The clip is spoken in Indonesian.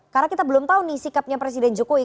karena kita belum tahu nih sikapnya presiden jokowi